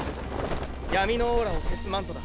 闇のオーラを消すマントだ。